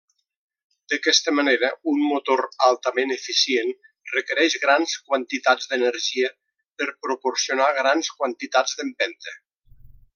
D'aquesta manera un motor altament eficient requereix grans quantitats d'energia per proporcionar grans quantitats d'empenta.